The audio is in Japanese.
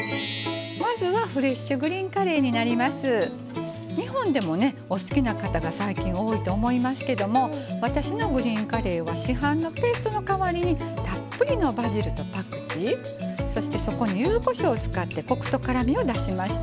まずは日本でもお好きな方が最近多いと思いますけども私のグリーンカレーは市販のペーストの代わりにたっぷりのバジルとパクチーそしてそこにゆずこしょうを使ってコクと辛みを出しました。